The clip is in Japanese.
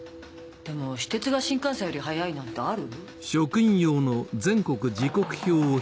でも私鉄が新幹線より早いなんてある？